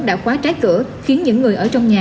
đã khóa trái cửa khiến những người ở trong nhà